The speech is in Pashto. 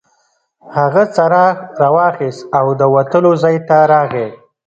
هغه څراغ راواخیست او د وتلو ځای ته راغی.